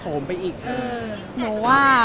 เก็บได้เกือบจะพันไล่แล้ว